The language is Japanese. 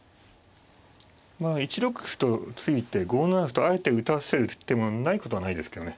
まあ１六歩と突いて５七歩とあえて打たせる手もないことはないですけどね。